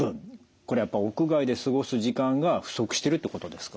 これやっぱ屋外で過ごす時間が不足してるってことですか？